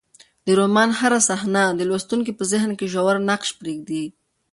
د رومان هره صحنه د لوستونکي په ذهن کې ژور نقش پرېږدي.